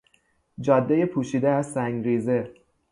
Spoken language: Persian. جادهی پوشیده از سنگریزه